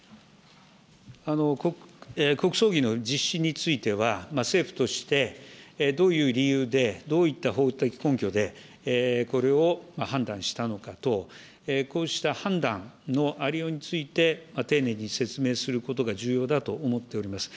国葬儀の実施については、政府として、どういう理由で、どういった法的根拠で、これを判断したのか等、こうした判断のありようについて、丁寧に説明することが重要だと思っております。